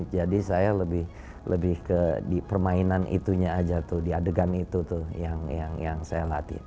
jadi saya lebih ke di permainan itunya aja tuh di adegan itu tuh yang saya latihan